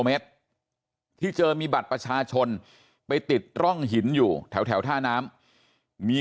เมตรที่เจอมีบัตรประชาชนไปติดร่องหินอยู่แถวท่าน้ำมี